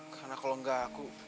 karena kalau gak aku